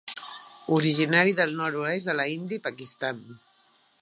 Originari del nord i l'oest de l'Índia i Pakistan.